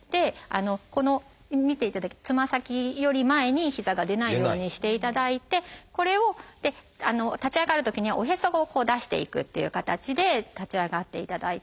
このつま先より前に膝が出ないようにしていただいてこれを立ち上がるときにはおへそを出していくっていう形で立ち上がっていただいて。